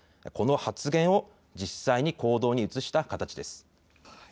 この発言を実際に行動に移した形です。